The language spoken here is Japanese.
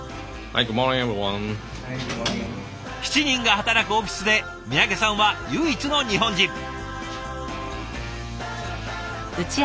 ７人が働くオフィスで三宅さんは唯一の日本人。